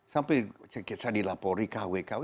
sampai saya dilaporin kw kw